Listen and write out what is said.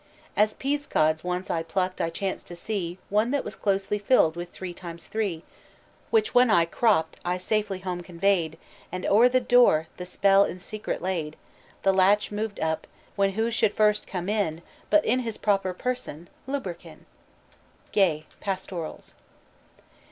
"As peascods once I plucked I chanced to see One that was closely filled with three times three; Which when I crop'd, I safely home convey'd, And o'er the door the spell in secret laid; The latch moved up, when who should first come in, But in his proper person Lubberkin." GAY: _Pastorals.